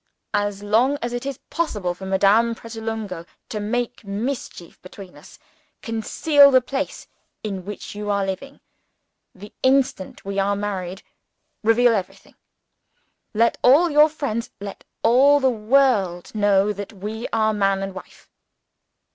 As long as it is possible for Madame Pratolungo to make mischief between us, conceal the place in which you are living. The instant we are married reveal everything. Let all your friends let all the world know that we are man and wife!"